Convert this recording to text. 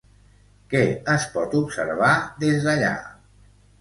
Què es pot observar des d'allà?